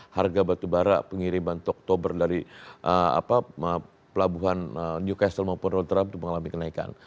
harga batu bara pengiriman toktober dari pelabuhan newcastle maupun rotterdam itu mengalami kenaikan